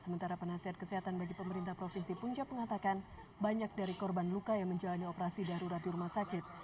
sementara penasehat kesehatan bagi pemerintah provinsi punca mengatakan banyak dari korban luka yang menjalani operasi darurat di rumah sakit